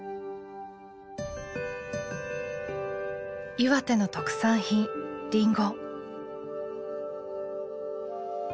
岩手の特産品りんご。